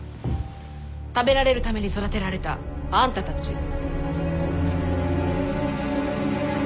食べられるために育てられたあんたたち。